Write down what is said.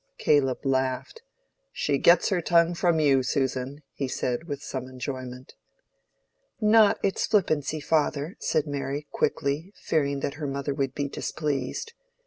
Caleb laughed. "She gets her tongue from you, Susan," he said, with some enjoyment. "Not its flippancy, father," said Mary, quickly, fearing that her mother would be displeased.